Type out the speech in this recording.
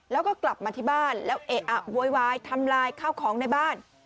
แล้วก็กลับมาที่บ้านแล้วเอะอะโวยวายทำลายข้าวของในบ้าน